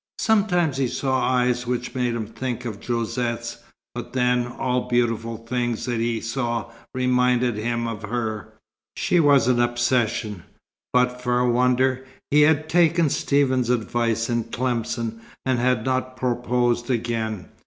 Sometimes he saw eyes which made him think of Josette's; but then, all beautiful things that he saw reminded him of her. She was an obsession. But, for a wonder, he had taken Stephen's advice in Tlemcen and had not proposed again.